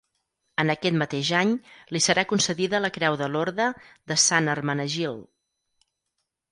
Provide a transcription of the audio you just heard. En aquest mateix any li serà concedida la creu de l'Orde de Sant Hermenegild.